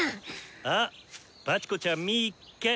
あっバチコちゃんみっけ！